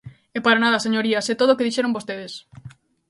E para nada, señorías, é todo o que dixeron vostedes.